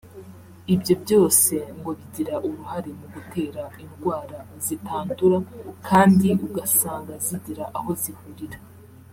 Ibyo byose ngo bigira uruhare mu gutera indwara zitandura kandi ugasanga zigira aho zihurira